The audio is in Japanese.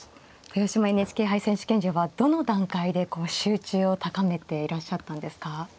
豊島ＮＨＫ杯選手権者はどの段階でこう集中を高めていらっしゃったんですか。